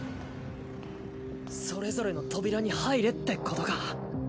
それぞれの扉に入れってことか？